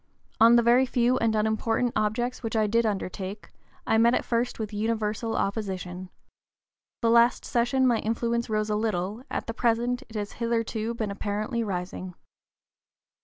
On the very few and unimportant objects which I did undertake, I met at first with universal opposition. The last session my influence rose a little, at the present it has hitherto been apparently rising."